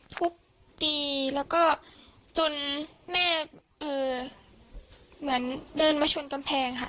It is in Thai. ทุบตีแล้วก็จนแม่เหมือนเดินมาชนกำแพงค่ะ